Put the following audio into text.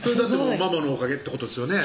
ママのおかげってことですよね